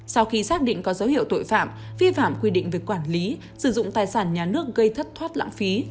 sau khi xác định có dấu hiệu tội phạm vi phạm quy định về quản lý sử dụng tài sản nhà nước gây thất thoát lãng phí